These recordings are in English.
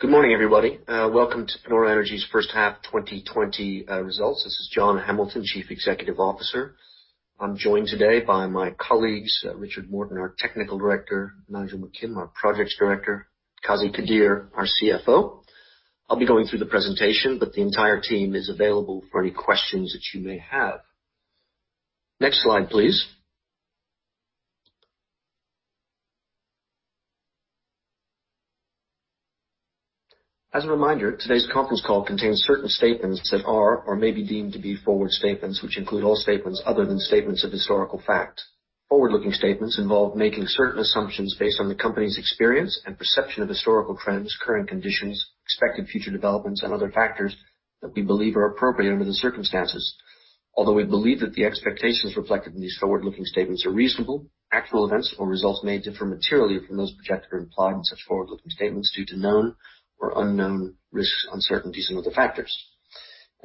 Good morning, everybody. Welcome to Panoro Energy's first half 2020 results. This is John Hamilton, Chief Executive Officer. I'm joined today by my colleagues, Richard Morton, our Technical Director, Nigel McKim, our Projects Director, Qazi Qadeer, our CFO. I'll be going through the presentation, but the entire team is available for any questions that you may have. Next slide, please. As a reminder, today's conference call contains certain statements that are or may be deemed to be forward-looking statements, which include all statements other than statements of historical fact. Forward-looking statements involve making certain assumptions based on the company's experience and perception of historical trends, current conditions, expected future developments, and other factors that we believe are appropriate under the circumstances. Although we believe that the expectations reflected in these forward-looking statements are reasonable, actual events or results may differ materially from those projected or implied in such forward-looking statements due to known or unknown risks, uncertainties, and other factors.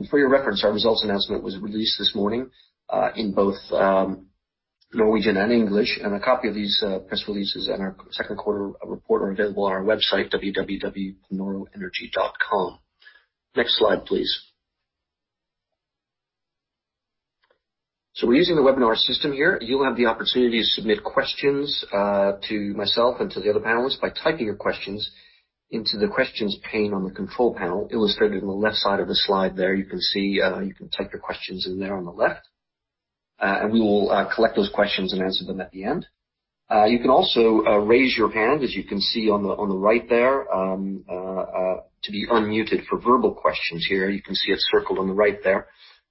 For your reference, our results announcement was released this morning, in both Norwegian and English, and a copy of these press releases and our second quarter report are available on our website, www.panoroenergy.com. Next slide, please. We're using the webinar system here. You'll have the opportunity to submit questions to myself and to the other panelists by typing your questions into the questions pane on the control panel illustrated on the left side of the slide there. You can see, you can type your questions in there on the left, and we will collect those questions and answer them at the end. You can also raise your hand, as you can see on the right there, to be unmuted for verbal questions here. You can see it circled on the right there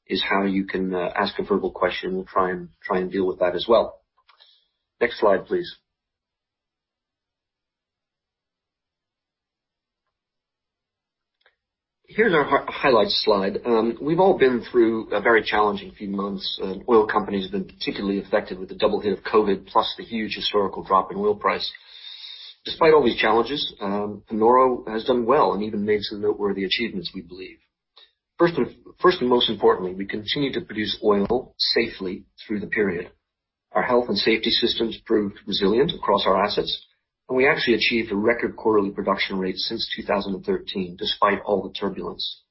is how you can ask a verbal question. We'll try and deal with that as well. Next slide, please. Here's our highlights slide. We've all been through a very challenging few months. Oil companies have been particularly affected with the double hit of COVID-19 plus the huge historical drop in oil price. Despite all these challenges, Panoro has done well and even made some noteworthy achievements, we believe. First and most importantly, we continued to produce oil safely through the period. Our health and safety systems proved resilient across our assets, and we actually achieved a record quarterly production rate since 2013, despite all the turbulence.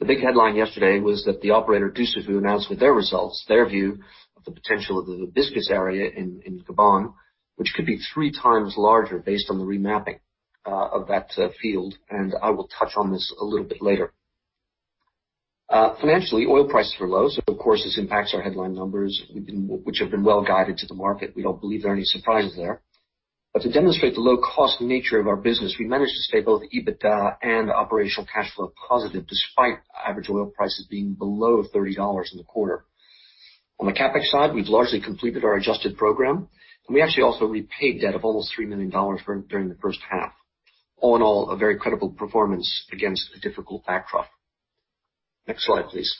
The big headline yesterday was that the operator, Dussafu, announced with their results their view of the potential of the Hibiscus area in Gabon, which could be three times larger based on the remapping of that field. I will touch on this a little bit later. Financially, oil prices were low. Of course, this impacts our headline numbers, which have been well guided to the market. We don't believe there are any surprises there. To demonstrate the low-cost nature of our business, we managed to stay both EBITDA and operational cash flow positive despite average oil prices being below $30 in the quarter. On the CapEx side, we've largely completed our adjusted program. We actually also repaid debt of almost $3 million during the first half. All in all, a very credible performance against a difficult backdrop. Next slide, please.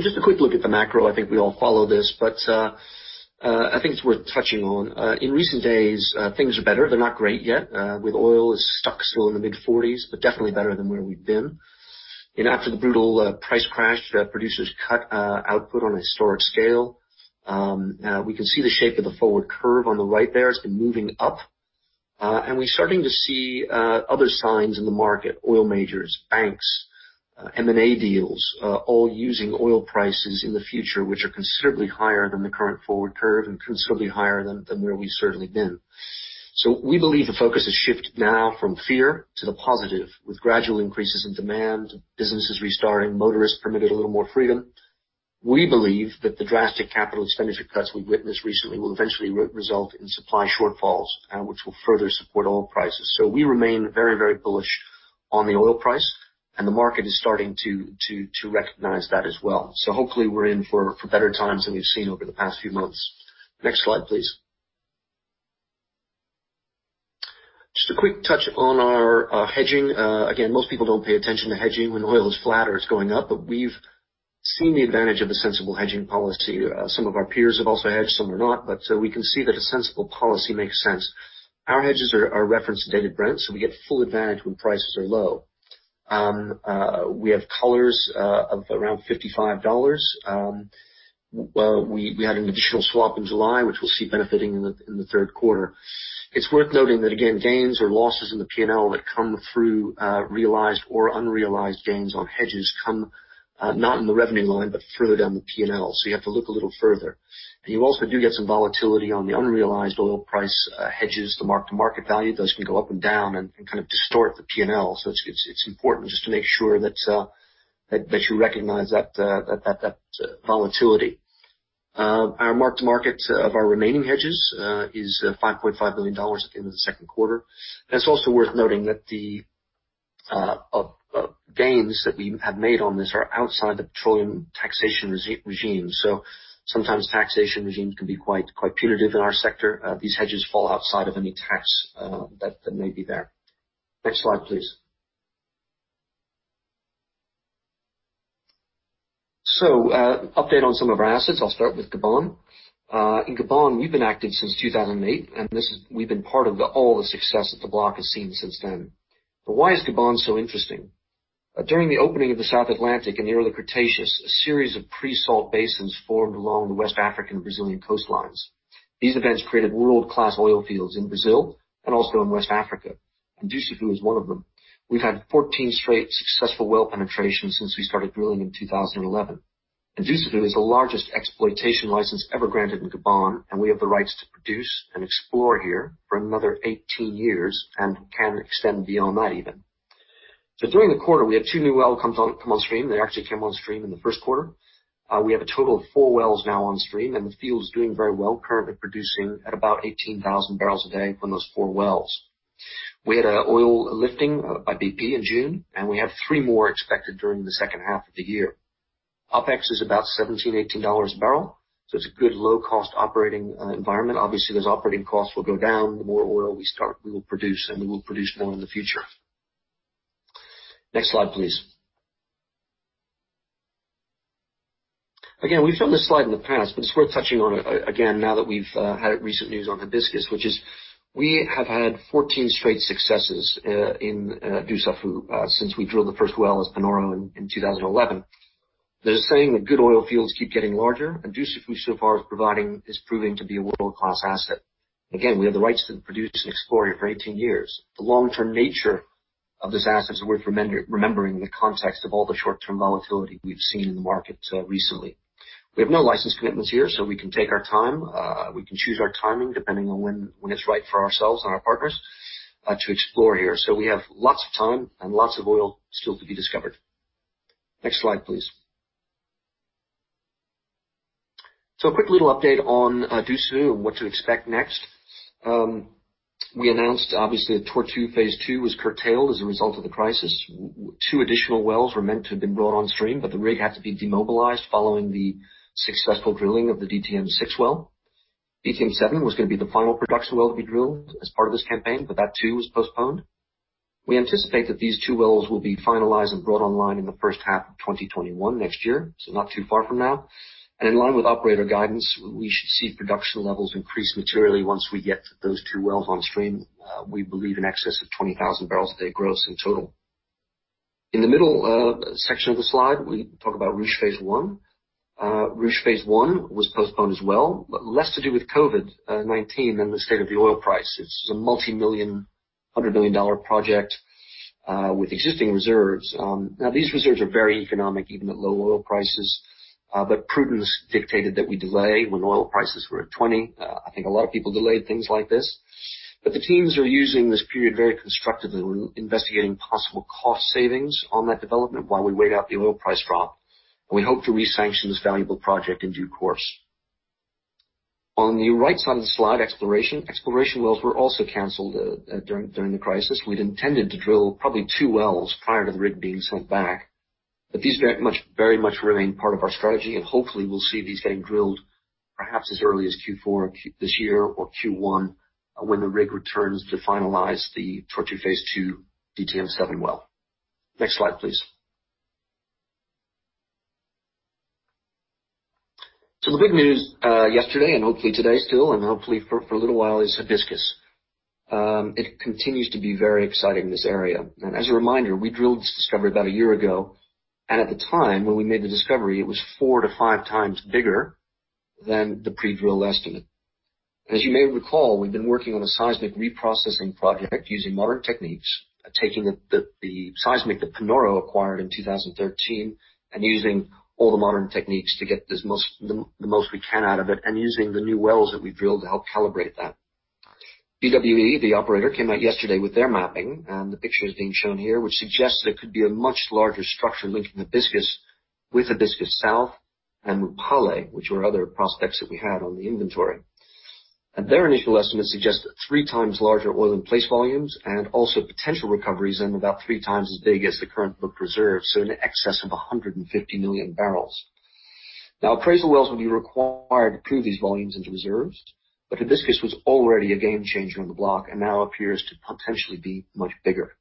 Just a quick look at the macro. I think we all follow this, but I think it's worth touching on. In recent days, things are better. They're not great yet. With oil is stuck still in the mid-40s, but definitely better than where we've been. After the brutal price crash, producers cut output on a historic scale. We can see the shape of the forward curve on the right there. It's been moving up. We're starting to see other signs in the market, oil majors, banks, M&A deals, all using oil prices in the future, which are considerably higher than the current forward curve and considerably higher than where we've certainly been. We believe the focus has shifted now from fear to the positive, with gradual increases in demand, businesses restarting, motorists permitted a little more freedom. We believe that the drastic capital expenditure cuts we've witnessed recently will eventually result in supply shortfalls, which will further support oil prices. We remain very bullish on the oil price, and the market is starting to recognize that as well. Hopefully we're in for better times than we've seen over the past few months. Next slide, please. Just a quick touch on our hedging. Again, most people don't pay attention to hedging when oil is flat or it's going up, but we've seen the advantage of a sensible hedging policy. Some of our peers have also hedged, some have not, but we can see that a sensible policy makes sense. Our hedges are referenced to Dated Brent, so we get full advantage when prices are low. We have collars of around $55. We had an additional swap in July, which we'll see benefiting in the third quarter. It's worth noting that, again, gains or losses in the P&L that come through realized or unrealized gains on hedges come not in the revenue line, but further down the P&L. You have to look a little further. You also do get some volatility on the unrealized oil price hedges. The mark-to-market value of those can go up and down and kind of distort the P&L. It's important just to make sure that you recognize that volatility. Our mark to market of our remaining hedges is $5.5 million at the end of the second quarter. It's also worth noting that the gains that we have made on this are outside the petroleum taxation regime. Sometimes taxation regimes can be quite punitive in our sector. These hedges fall outside of any tax that may be there. Next slide, please. Update on some of our assets. I'll start with Gabon. In Gabon, we've been active since 2008. We've been part of all the success that the block has seen since then. Why is Gabon so interesting? During the opening of the South Atlantic in the early Cretaceous, a series of pre-salt basins formed along the West African Brazilian coastlines. These events created world-class oil fields in Brazil and also in West Africa. Dussafu is one of them. We've had 14 straight successful well penetrations since we started drilling in 2011. Dussafu is the largest exploitation license ever granted in Gabon, and we have the rights to produce and explore here for another 18 years, and can extend beyond that even. During the quarter, we had two new well come on stream. They actually came on stream in the first quarter. We have a total of four wells now on stream. The field's doing very well, currently producing at about 18,000 bopd from those four wells. We had an oil lifting, by BP in June. We have three more expected during the second half of the year. OpEx is about $17, $18 a barrel. It's a good low-cost operating environment. Obviously, those operating costs will go down the more oil we will produce. We will produce more in the future. Next slide, please. Again, we've shown this slide in the past. It's worth touching on it again now that we've had recent news on Hibiscus, which is we have had 14 straight successes in Dussafu since we drilled the first well as Panoro in 2011. There's a saying that good oil fields keep getting larger, and Dussafu so far is proving to be a world-class asset. We have the rights to produce and explore here for 18 years. The long-term nature of this asset is worth remembering in the context of all the short-term volatility we've seen in the market recently. We have no license commitments here, so we can take our time. We can choose our timing depending on when it's right for ourselves and our partners to explore here. We have lots of time and lots of oil still to be discovered. Next slide, please. A quick little update on Dussafu and what to expect next. We announced, obviously, that Tortue Phase 2 was curtailed as a result of the crisis. Two additional wells were meant to have been brought on stream, but the rig had to be demobilized following the successful drilling of the DTM-6 well. DTM-7 was going to be the final production well to be drilled as part of this campaign, but that too was postponed. We anticipate that these two wells will be finalized and brought online in the first half of 2021, next year, so not too far from now. In line with operator guidance, we should see production levels increase materially once we get those two wells on stream. We believe in excess of 20,000 bopd gross in total. In the middle section of the slide, we talk about Ruche Phase 1. Ruche Phase 1 was postponed as well, but less to do with COVID-19 than the state of the oil price. It's a multimillion, $100 million project with existing reserves. These reserves are very economic, even at low oil prices. Prudence dictated that we delay when oil prices were at $20. I think a lot of people delayed things like this. The teams are using this period very constructively. We're investigating possible cost savings on that development while we wait out the oil price drop, and we hope to re-sanction this valuable project in due course. On the right side of the slide, exploration. Exploration wells were also canceled during the crisis. We'd intended to drill probably two wells prior to the rig being sent back. These very much remain part of our strategy, and hopefully we'll see these getting drilled perhaps as early as Q4 this year or Q1 when the rig returns to finalize the Tortue Phase 2 DTM-7 well. Next slide, please. The big news yesterday, and hopefully today still, and hopefully for a little while, is Hibiscus. It continues to be very exciting, this area. As a reminder, we drilled this discovery about a year ago, and at the time when we made the discovery, it was four-five times bigger than the pre-drill estimate. As you may recall, we've been working on a seismic reprocessing project using modern techniques, taking the seismic that Panoro acquired in 2013 and using all the modern techniques to get the most we can out of it and using the new wells that we've drilled to help calibrate that. BWE, the operator, came out yesterday with their mapping, and the picture is being shown here, which suggests that it could be a much larger structure linking Hibiscus with Hibiscus South and Mupale, which were other prospects that we had on the inventory. Their initial estimates suggest three times larger oil in place volumes and also potential recoveries and about three times as big as the current book reserves, so in excess of 150 million barrels. Appraisal wells will be required to prove these volumes into reserves, Hibiscus was already a game changer on the block and now appears to potentially be much bigger.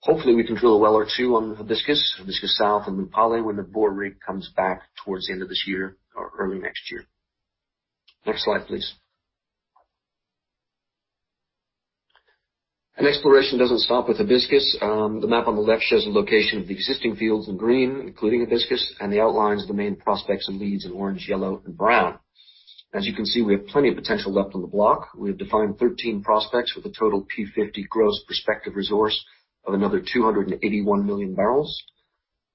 Hopefully, we can drill a well or two on Hibiscus South, and Mupale when the Borr rig comes back towards the end of this year or early next year. Next slide, please. Exploration doesn't stop with Hibiscus. The map on the left shows the location of the existing fields in green, including Hibiscus, and the outlines of the main prospects and leads in orange, yellow, and brown. As you can see, we have plenty of potential left on the block. We have defined 13 prospects with a total P50 gross prospective resource of another 281 million barrels.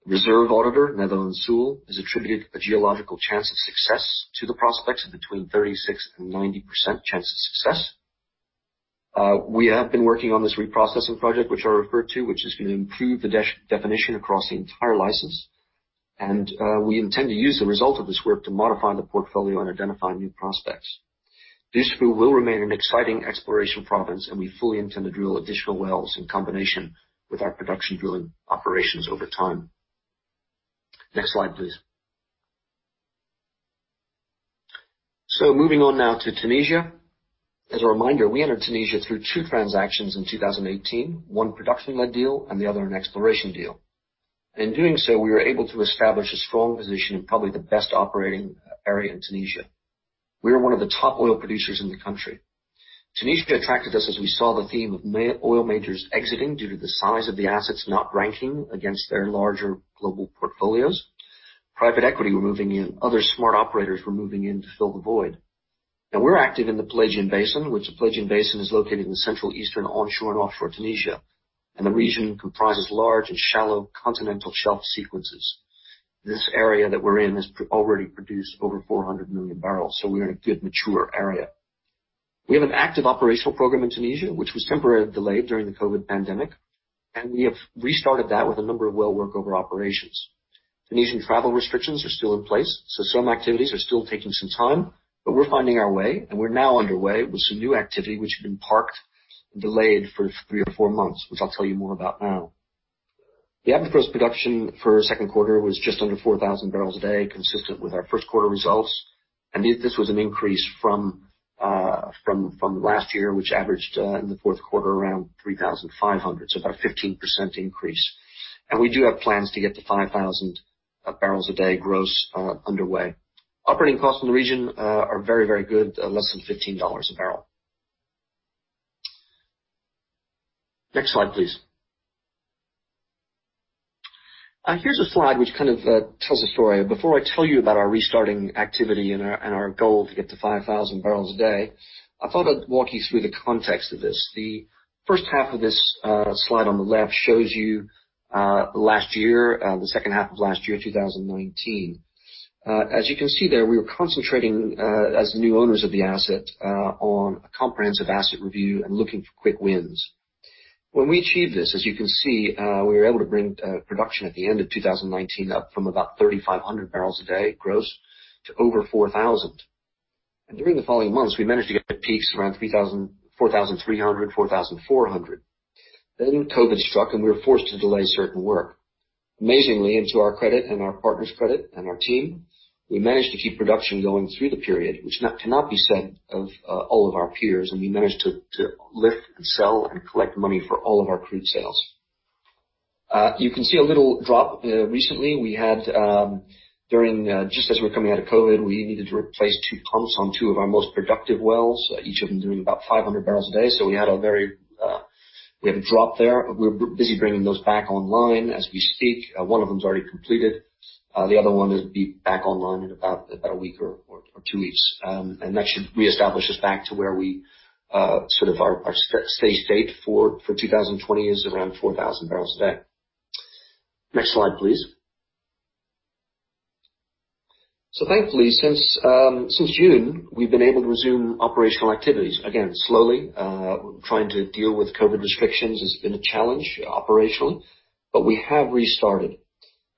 Reserve auditor, Netherland Sewell, has attributed a geological chance of success to the prospects of between 36% and 90% chance of success. We have been working on this reprocessing project, which I referred to, which is going to improve the definition across the entire license. We intend to use the result of this work to modify the portfolio and identify new prospects. This field will remain an exciting exploration province, and we fully intend to drill additional wells in combination with our production drilling operations over time. Next slide, please. Moving on now to Tunisia. As a reminder, we entered Tunisia through two transactions in 2018, one production-led deal and the other an exploration deal. In doing so, we were able to establish a strong position in probably the best operating area in Tunisia. We are one of the top oil producers in the country. Tunisia attracted us as we saw the theme of oil majors exiting due to the size of the assets not ranking against their larger global portfolios. Private equity were moving in. Other smart operators were moving in to fill the void. We're active in the Pelagian Basin, which the Pelagian Basin is located in the central eastern onshore and offshore Tunisia, and the region comprises large and shallow continental shelf sequences. This area that we're in has already produced over 400 million barrels. We're in a good, mature area. We have an active operational program in Tunisia, which was temporarily delayed during the COVID-19 pandemic. We have restarted that with a number of well workover operations. Tunisian travel restrictions are still in place, so some activities are still taking some time, but we're finding our way, and we're now underway with some new activity which had been parked and delayed for three or four months, which I'll tell you more about now. The average gross production for second quarter was just under 4,000 bopd, consistent with our first quarter results. This was an increase from last year, which averaged, in the fourth quarter, around 3,500. About a 15% increase. We do have plans to get to 5,000 bopd gross underway. Operating costs in the region are very good, less than $15 a barrel. Next slide, please. Here's a slide which kind of tells a story. Before I tell you about our restarting activity and our goal to get to 5,000 bopd, I thought I'd walk you through the context of this. The first half of this slide on the left shows you last year, the second half of last year, 2019. As you can see there, we were concentrating, as the new owners of the asset, on a comprehensive asset review and looking for quick wins. When we achieved this, as you can see, we were able to bring production at the end of 2019 up from about 3,500 bopd gross to over 4,000. During the following months, we managed to get peaks around 4,300, 4,400. COVID struck, and we were forced to delay certain work. Amazingly, and to our credit and our partners' credit and our team, we managed to keep production going through the period, which cannot be said of all of our peers, and we managed to lift and sell and collect money for all of our crude sales. You can see a little drop recently. Just as we were coming out of COVID-19, we needed to replace two pumps on two of our most productive wells, each of them doing about 500 bopd. We had a drop there. We're busy bringing those back online as we speak. One of them is already completed. The other one will be back online in about a week or two weeks. That should reestablish us back to where our steady state for 2020 is around 4,000 bopd. Next slide, please. Thankfully, since June, we've been able to resume operational activities. Again, slowly. Trying to deal with COVID-19 restrictions has been a challenge operationally, but we have restarted.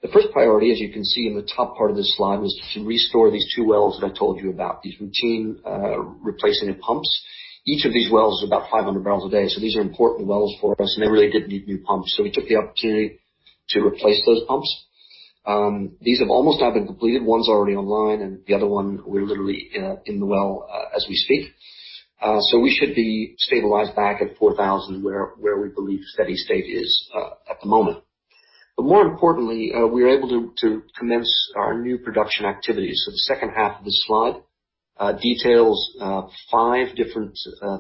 The first priority, as you can see in the top part of this slide, was to restore these two wells that I told you about. These routine replacing of pumps. Each of these wells is about 500 bopd, so these are important wells for us, and they really did need new pumps. We took the opportunity to replace those pumps. These have almost now been completed. One's already online, and the other one, we're literally in the well as we speak. We should be stabilized back at 4,000, where we believe steady state is at the moment. More importantly, we are able to commence our new production activities. The second half of the slide details five different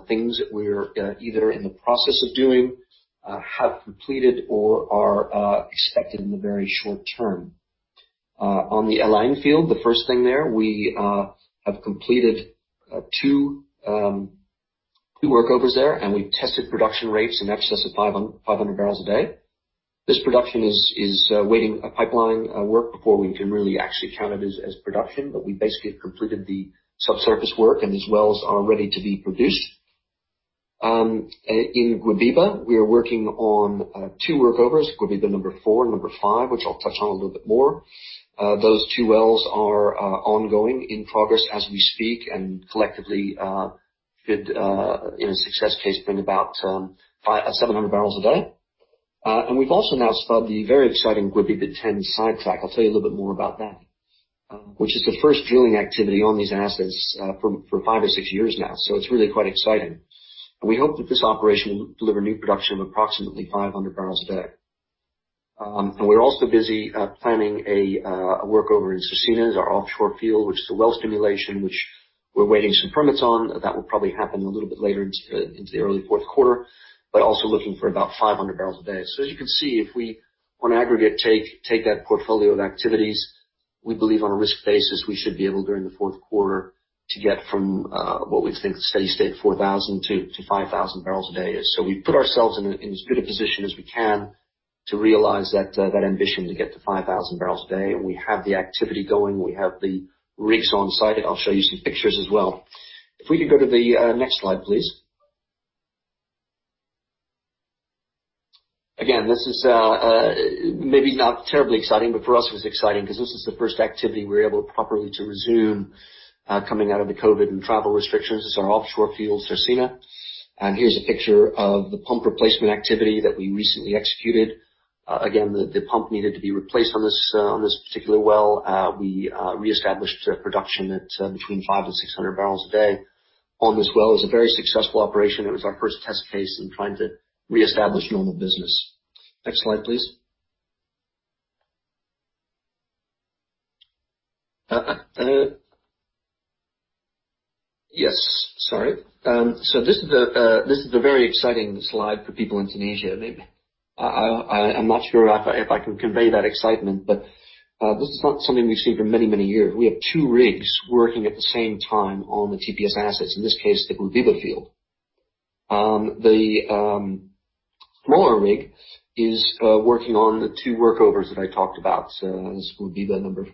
things that we're either in the process of doing, have completed, or are expected in the very short term. On the El Ain field, the first thing there, we have completed two workovers there, and we've tested production rates in excess of 500 bopd. This production is awaiting a pipeline work before we can really actually count it as production, but we basically have completed the subsurface work, and these wells are ready to be produced. In Guebiba, we are working on two workovers, Guebiba number four and number five, which I'll touch on a little bit more. Those two wells are ongoing, in progress as we speak, and collectively should, in a success case, bring about 700 bopd. We've also now spud the very exciting Guebiba-10 sidetrack. I'll tell you a little bit more about that. The first drilling activity on these assets for five or six years now. It's really quite exciting. We hope that this operation will deliver new production of approximately 500 bopd. We're also busy planning a workover in Cercina, it's our offshore field, which is a well stimulation, which we're waiting some permits on. That will probably happen a little bit later into the early fourth quarter, but also looking for about 500 bopd. As you can see, if we on aggregate take that portfolio of activities, we believe on a risk basis, we should be able, during the fourth quarter, to get from what we think the steady state of 4,000-5,000 bopd. We've put ourselves in as good a position as we can to realize that ambition to get to 5,000 bopd, and we have the activity going. We have the rigs on site. I'll show you some pictures as well. If we can go to the next slide, please. Again, this is maybe not terribly exciting, but for us it was exciting because this is the first activity we were able properly to resume coming out of the COVID and travel restrictions. This is our offshore field, Cercina. Here's a picture of the pump replacement activity that we recently executed. Again, the pump needed to be replaced on this particular well. We reestablished production at between 500 and 600 bopd on this well. It was a very successful operation. It was our first test case in trying to reestablish normal business. Next slide, please. Yes. Sorry. This is a very exciting slide for people in Tunisia. I'm not sure if I can convey that excitement, but this is not something we've seen for many years. We have two rigs working at the same time on the TPS assets, in this case, the Guebiba field. The smaller rig is working on the two workovers that I talked about. This is Guebiba number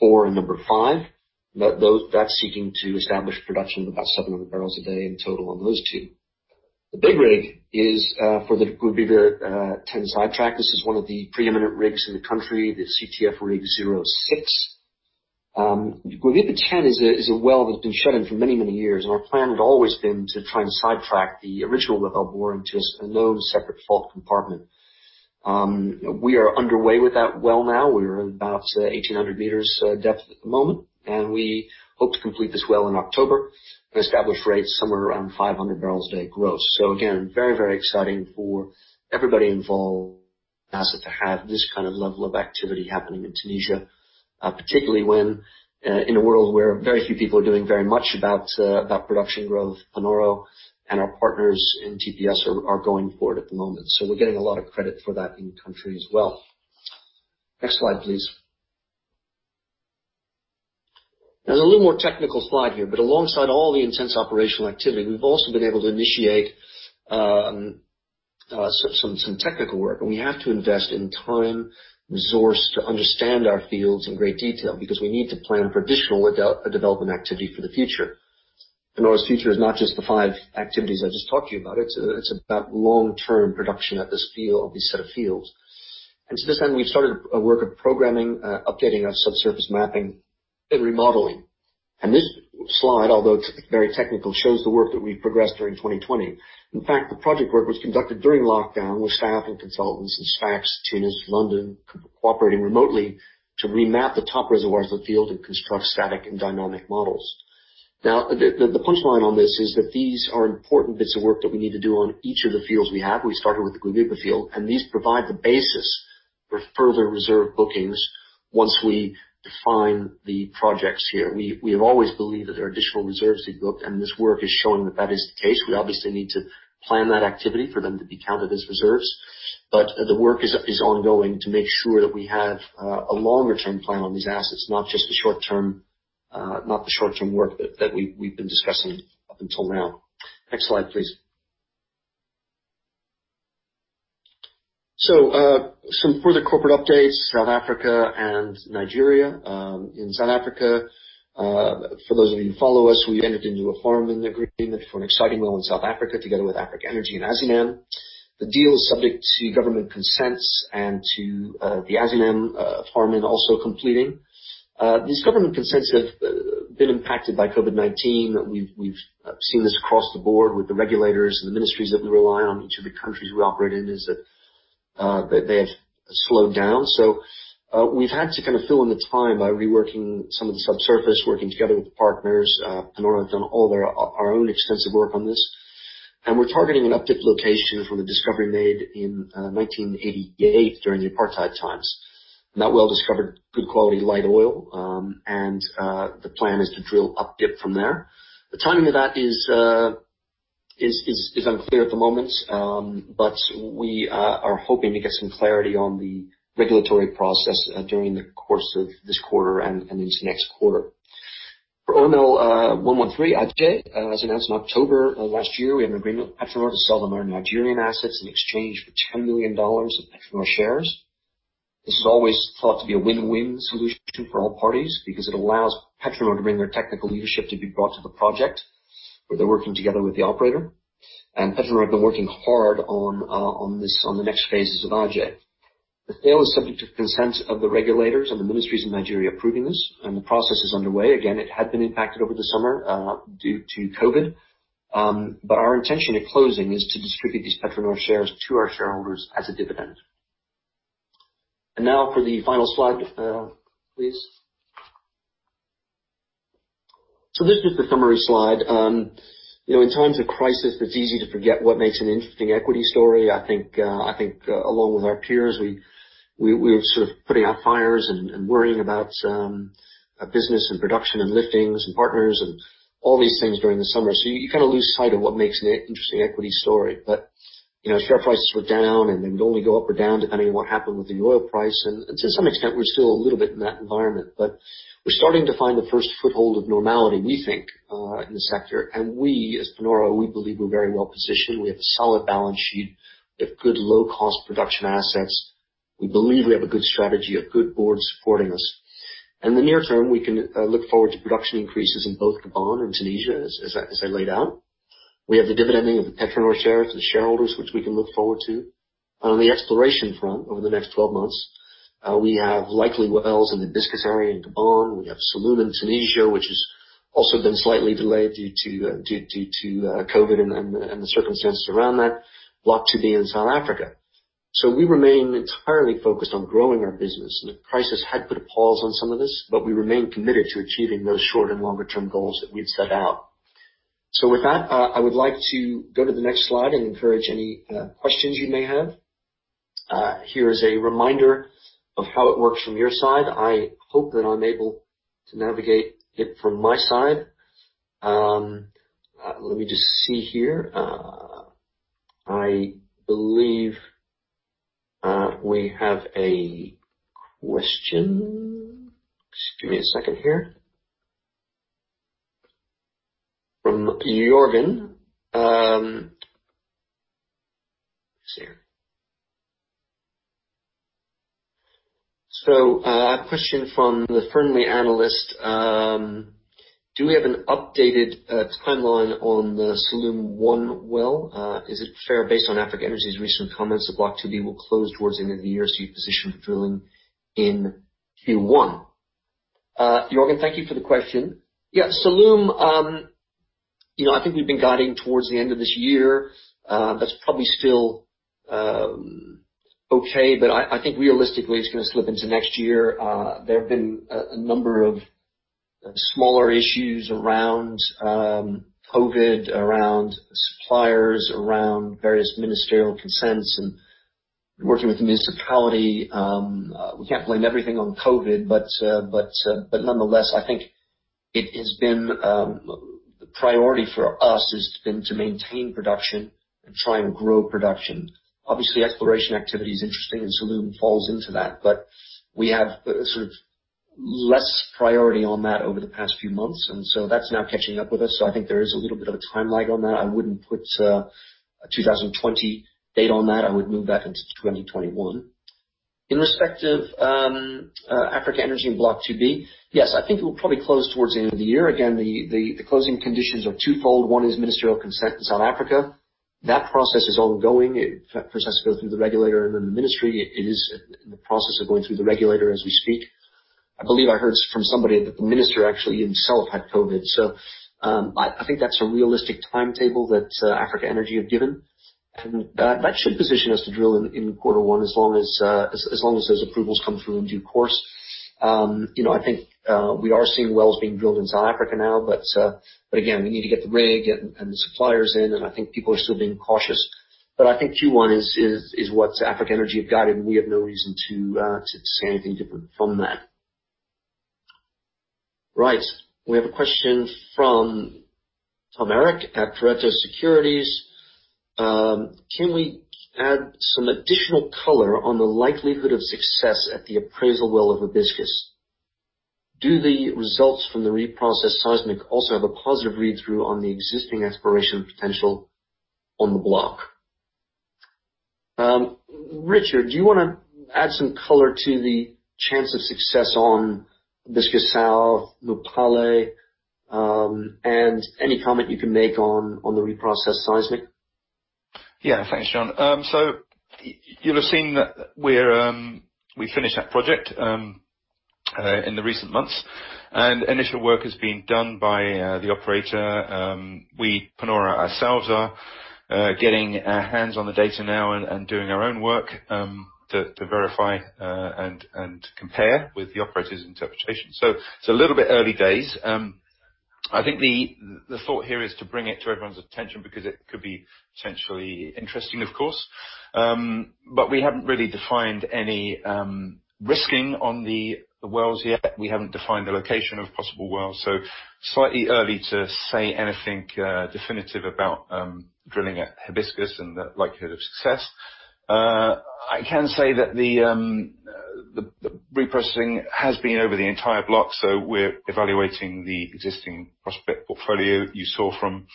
4 and number 5. That's seeking to establish production of about 700 bopd in total on those two. The big rig is for the Guebiba-10 sidetrack. This is one of the preeminent rigs in the country, the CTF Rig 06. Guebiba-10 is a well that's been shut in for many years, and our plan had always been to try and sidetrack the original well bore into a known separate fault compartment. We are underway with that well now. We are at about 1,800 m depth at the moment, and we hope to complete this well in October and establish rates somewhere around 500 bopd gross. Again, very exciting for everybody involved in the asset to have this kind of level of activity happening in Tunisia, particularly when, in a world where very few people are doing very much about production growth, Panoro and our partners in TPS are going forward at the moment. We're getting a lot of credit for that in country as well. Next slide, please. There's a little more technical slide here, but alongside all the intense operational activity, we've also been able to initiate some technical work. We have to invest in time and resource to understand our fields in great detail, because we need to plan for additional development activity for the future. Panoro's future is not just the five activities I just talked to you about. It's about long-term production of these set of fields. To this end, we've started a work of programming, updating our subsurface mapping and remodeling. This slide, although it's very technical, shows the work that we've progressed during 2020. In fact, the project work was conducted during lockdown, with staff and consultants in Sfax, Tunis, London, cooperating remotely to remap the top reservoirs of the field and construct static and dynamic models. Now, the punchline on this is that these are important bits of work that we need to do on each of the fields we have. We started with the Guebiba field, and these provide the basis for further reserve bookings once we define the projects here. We have always believed that there are additional reserves to be booked, and this work is showing that that is the case. We obviously need to plan that activity for them to be counted as reserves. The work is ongoing to make sure that we have a longer-term plan on these assets, not the short-term work that we've been discussing up until now. Next slide, please. Some further corporate updates. South Africa and Nigeria. In South Africa, for those of you who follow us, we entered into a farm-in agreement for an exciting well in South Africa together with Africa Energy and Azinam. The deal is subject to government consents and to the Azinam farm-in also completing. These government consents have been impacted by COVID-19. We've seen this across the board with the regulators and the ministries that we rely on, each of the countries we operate in, is that they have slowed down. So we've had to fill in the time by reworking some of the subsurface, working together with the partners. Panoro have done all our own extensive work on this. And we're targeting an updip location from the discovery made in 1988 during the apartheid times. And that well discovered good quality light oil. And the plan is to drill updip from there. The timing of that is unclear at the moment. But we are hoping to get some clarity on the regulatory process during the course of this quarter and into next quarter. For OML 113, Aje, as announced in October last year, we have an agreement with PetroNor to sell them our Nigerian assets in exchange for $10 million of PetroNor shares. This was always thought to be a win-win solution for all parties because it allows PetroNor to bring their technical leadership to be brought to the project, where they're working together with the operator. PetroNor have been working hard on the next phases of Aje. The sale is subject to consent of the regulators and the ministries in Nigeria approving this, and the process is underway. Again, it had been impacted over the summer due to COVID-19. Our intention at closing is to distribute these PetroNor shares to our shareholders as a dividend. Now for the final slide, please. This is the summary slide. In times of crisis, it's easy to forget what makes an interesting equity story. I think along with our peers, we were sort of putting out fires and worrying about business and production and liftings and partners and all these things during the summer. You kind of lose sight of what makes an interesting equity story. Share prices were down, and they would only go up or down, depending on what happened with the oil price. To some extent, we're still a little bit in that environment. We're starting to find the first foothold of normality, we think, in the sector. We, as Panoro, we believe we're very well positioned. We have a solid balance sheet. We have good low-cost production assets. We believe we have a good strategy, a good board supporting us. In the near term, we can look forward to production increases in both Gabon and Tunisia, as I laid out. We have the dividending of the PetroNor shares to the shareholders, which we can look forward to. On the exploration front over the next 12 months, we have likely wells in the Hibiscus area in Gabon. We have Salloum in Tunisia, which has also been slightly delayed due to COVID and the circumstances around that. Block 2B in South Africa. We remain entirely focused on growing our business, and the crisis had put a pause on some of this, but we remain committed to achieving those short and longer-term goals that we've set out. With that, I would like to go to the next slide and encourage any questions you may have. Here is a reminder of how it works from your side. I hope that I'm able to navigate it from my side. Let me just see here. I believe we have a question. Just give me a second here. From Jorgen. Let's see here. A question from Fearnley analyst, do we have an updated timeline on the Salloum-1 well? Is it fair based on Africa Energy's recent comments that Block 2B will close towards the end of the year, so you're positioned for drilling in Q1? Jorgen, thank you for the question. Salloum, I think we've been guiding towards the end of this year. That's probably still okay, but I think realistically it's going to slip into next year. There have been a number of smaller issues around COVID, around suppliers, around various ministerial consents and working with the municipality. We can't blame everything on COVID-19, but nonetheless, I think the priority for us has been to maintain production and try and grow production. Obviously, exploration activity is interesting and Salloum falls into that, but we have sort of less priority on that over the past few months. So that's now catching up with us, so I think there is a little bit of a time lag on that. I wouldn't put a 2020 date on that. I would move that into 2021. In respect of Africa Energy and Block 2B, yes, I think it will probably close towards the end of the year. Again, the closing conditions are twofold. One is ministerial consent in South Africa. That process is ongoing. It first has to go through the regulator and then the ministry. It is in the process of going through the regulator as we speak. I believe I heard from somebody that the minister actually himself had COVID. I think that's a realistic timetable that Africa Energy have given, and that should position us to drill in quarter one as long as those approvals come through in due course. I think we are seeing wells being drilled in South Africa now, but again, we need to get the rig and the suppliers in, and I think people are still being cautious. I think Q1 is what Africa Energy have guided, and we have no reason to say anything different from that. Right. We have a question from Tom Erik at Pareto Securities. Can we add some additional color on the likelihood of success at the appraisal well of Hibiscus? Do the results from the reprocessed seismic also have a positive read-through on the existing exploration potential on the block? Richard, do you want to add some color to the chance of success on Hibiscus South, Mupale, and any comment you can make on the reprocessed seismic? Thanks, John. You'll have seen that we finished that project in the recent months, and initial work is being done by the operator. We, Panoro ourselves, are getting our hands on the data now and doing our own work to verify and compare with the operator's interpretation. It's a little bit early days. I think the thought here is to bring it to everyone's attention because it could be potentially interesting, of course. We haven't really defined any risking on the wells yet. We haven't defined the location of possible wells. Slightly early to say anything definitive about drilling at Hibiscus and the likelihood of success. I can say that the reprocessing has been over the entire block, so we're evaluating the existing prospect portfolio. You saw from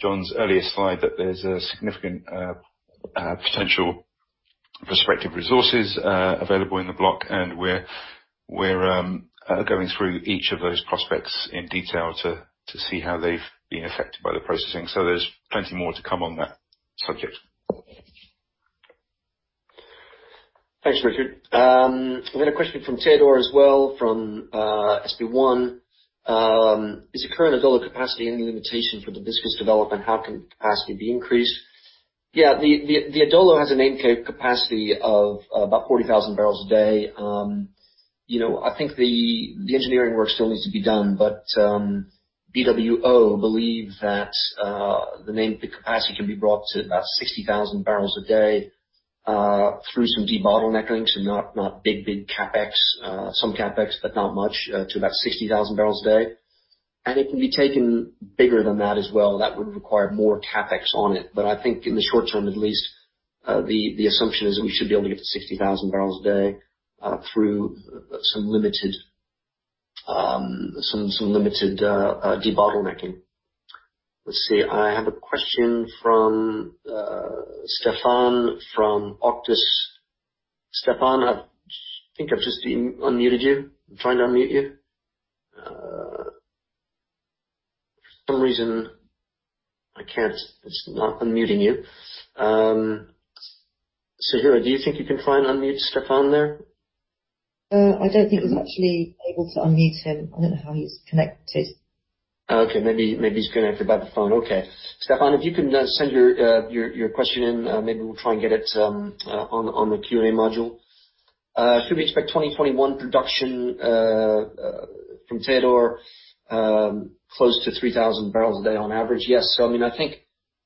John's earlier slide that there's a significant potential prospective resources available in the block, and we're going through each of those prospects in detail to see how they've been affected by the processing. There's plenty more to come on that subject. Thanks, Richard. I've got a question from Teodor as well from SB1. Is the current Adolo capacity any limitation for the Hibiscus development? How can capacity be increased? The Adolo has a nameplate capacity of about 40,000 bopd. I think the engineering work still needs to be done, but BWO believe that the nameplate capacity can be brought to about 60,000 bopd through some debottlenecking. Not big CapEx. Some CapEx, but not much to about 60,000 bopd. It can be taken bigger than that as well. That would require more CapEx on it. I think in the short term at least, the assumption is we should be able to get to 60,000 bopd through some limited debottlenecking. Let's see. I have a question from Stephane from Auctus. Stephane, I think I've just unmuted you. I'm trying to unmute you. For some reason, it's not unmuting you. [Sahira], do you think you can try and unmute Stephane there? I don't think I'm actually able to unmute him. I don't know how he's connected. Okay. Maybe he's going to have to dial the phone. Okay. Stephane, if you can send your question in, maybe we'll try and get it on the Q&A module. Should we expect 2021 production from Teodor close to 3,000 bopd on average? Yes. I think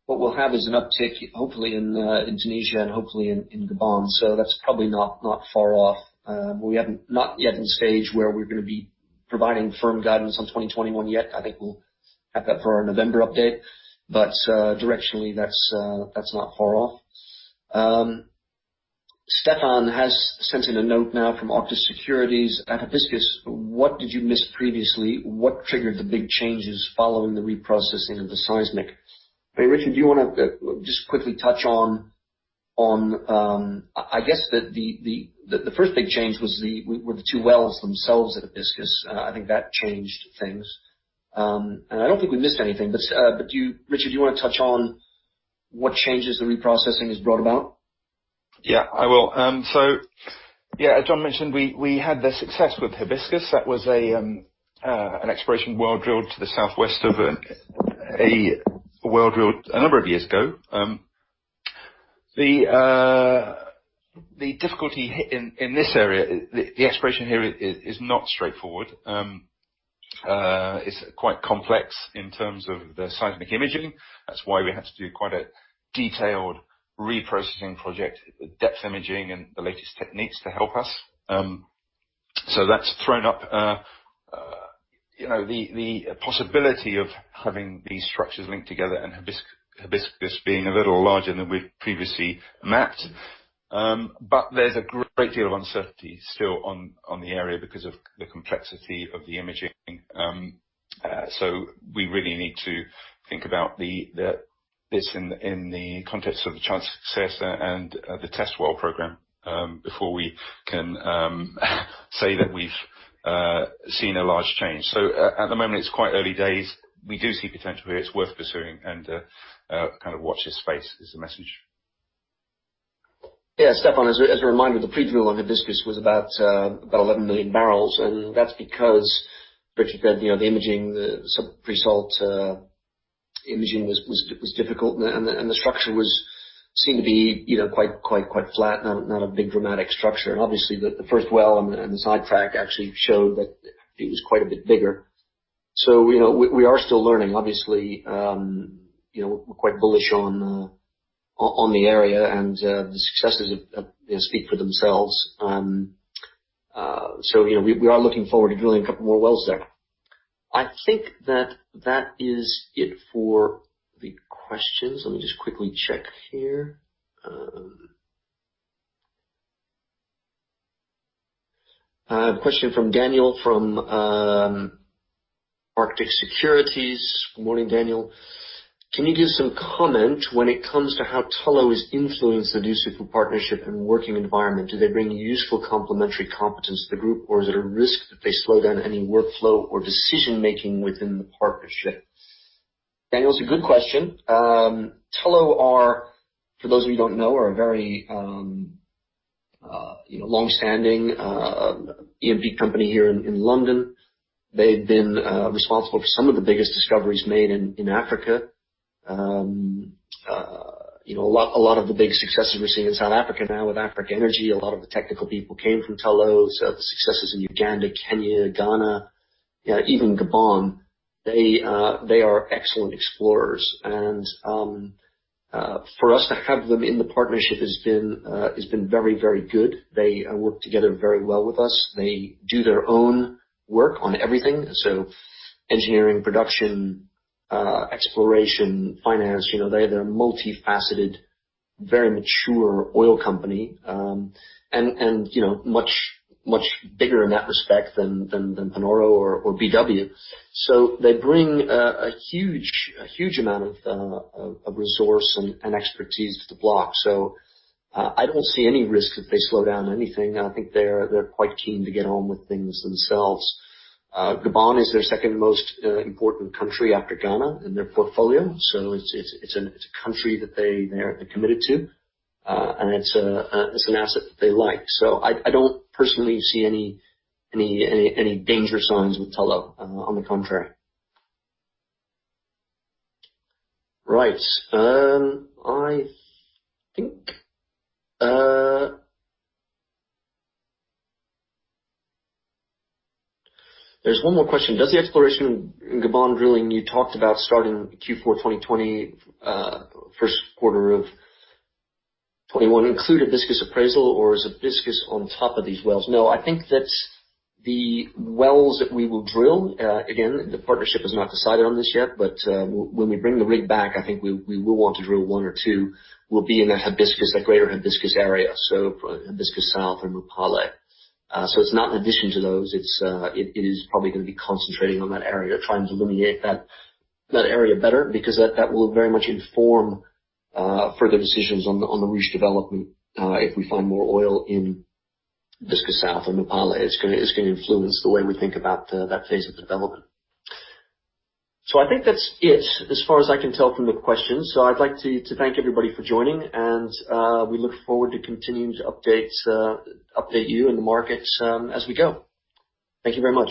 what we'll have is an uptick, hopefully, in Tunisia and hopefully in Gabon. That's probably not far off. We're not yet in the stage where we're going to be providing firm guidance on 2021 yet. I think we'll have that for our November update. Directionally, that's not far off. Steffen has sent in a note now from Arctic Securities. At Hibiscus, what did you miss previously? What triggered the big changes following the reprocessing of the seismic? Hey, Richard, do you want to just quickly touch on I guess the first big change were the two wells themselves at Hibiscus. I think that changed things. I don't think we missed anything. Richard, do you want to touch on what changes the reprocessing has brought about? Yeah, I will. Yeah, as John mentioned, we had the success with Hibiscus. That was an exploration well drilled to the southwest of a well drilled a number of years ago. The difficulty in this area, the exploration here is not straightforward. It's quite complex in terms of the seismic imaging. That's why we had to do quite a detailed reprocessing project, depth imaging, and the latest techniques to help us. That's thrown up the possibility of having these structures linked together and Hibiscus being a little larger than we'd previously mapped. There's a great deal of uncertainty still on the area because of the complexity of the imaging. We really need to think about this in the context of the chance of success and the test well program, before we can say that we've seen a large change. At the moment, it's quite early days. We do see potential here. It's worth pursuing and watch this space is the message. Yeah. Steffen, as a reminder, the pre-drill on Hibiscus was about 11 million barrels, and that's because Richard said the imaging, the sub-salt imaging was difficult, and the structure seemed to be quite flat, not a big dramatic structure. obviously, the first well and the sidetrack actually showed that it was quite a bit bigger. we are still learning. Obviously, we're quite bullish on the area, and the successes speak for themselves. we are looking forward to drilling a couple more wells there. I think that that is it for the questions. Let me just quickly check here. A question from Daniel from Arctic Securities. Morning, Daniel. Can you give some comment when it comes to how Tullow has influenced the Dussafu partnership and working environment? Do they bring useful complementary competence to the group, or is it a risk that they slow down any workflow or decision-making within the partnership? Daniel, it's a good question. Tullow, for those of you who don't know, are a very long-standing E&P company here in London. They've been responsible for some of the biggest discoveries made in Africa. A lot of the big successes we're seeing in South Africa now with Africa Energy. A lot of the technical people came from Tullow. The successes in Uganda, Kenya, Ghana, even Gabon. They are excellent explorers. For us to have them in the partnership has been very, very good. They work together very well with us. They do their own work on everything. Engineering, production, exploration, finance. They're a multifaceted, very mature oil company. Much bigger in that respect than Panoro or BW. They bring a huge amount of resource and expertise to the block. I don't see any risk that they slow down anything. I think they're quite keen to get on with things themselves. Gabon is their second most important country after Ghana in their portfolio. It's a country that they're committed to. It's an asset that they like. I don't personally see any danger signs with Tullow, on the contrary. Right. There's one more question. Does the exploration in Gabon drilling you talked about starting Q4 2020, first quarter of 2021 include a Hibiscus appraisal, or is Hibiscus on top of these wells? No, I think that the wells that we will drill, again, the partnership has not decided on this yet, but when we bring the rig back, I think we will want to drill one or two, will be in the greater Hibiscus area. Hibiscus South and Mupale. It's not an addition to those. It is probably going to be concentrating on that area, trying to illuminate that area better, because that will very much inform further decisions on the Ruche development. If we find more oil in Hibiscus South or Mupale, it's going to influence the way we think about that phase of development. I think that's it as far as I can tell from the questions. I'd like to thank everybody for joining, and we look forward to continuing to update you and the markets as we go. Thank you very much.